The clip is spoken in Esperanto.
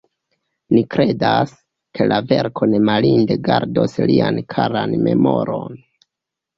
Ni kredas, ke la verko ne malinde gardos lian karan memoron.